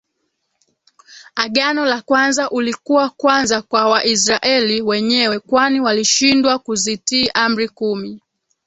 Agano la kwanza ulikuwa kwanza kwa Waisraeli wenyewe kwani walishindwa kuzitii Amri kumi